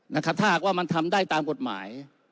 ถ้าหากว่ามันทำได้ตามกฎหมาย